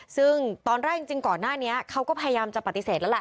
ซึ่งตอนแรกจริงก่อนหน้านี้เขาก็พยายามจะปฏิเสธแล้วล่ะ